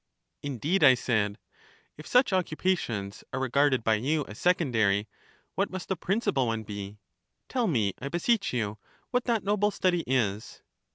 Indeed, I said, if such occupations are regarded by you as secondary, what must the principal one be; tell me, I beseech you, what that noble study is?